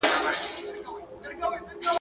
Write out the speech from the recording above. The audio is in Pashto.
په ښو پردي خپلېږي.